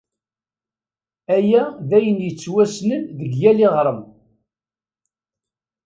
Aya d ayen yettwassnen deg yal iɣrem.